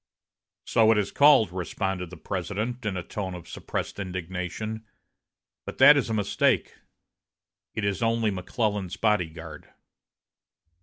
"So it is called," responded the President, in a tone of suppressed indignation, "But that is a mistake. It is only McClellan's body guard."